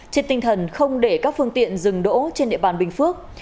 trên tinh thần không để các phương tiện dừng đỗ trên địa bàn bình phước